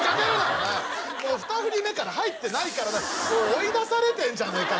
お前もう２振り目から入ってないからなおい追い出されてんじゃねえか